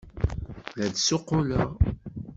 La d-ssuquleɣ.